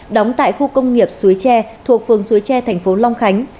đóng tại khu công nghiệp suối tre thuộc phường suối tre thành phố long khánh